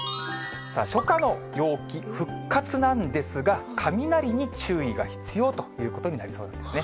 初夏の陽気復活なんですが、雷に注意が必要ということになりそうなんですね。